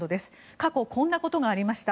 過去、こんなことがありました。